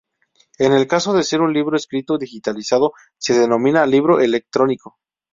En el caso de ser un libro escrito digitalizado, se denomina libro electrónico.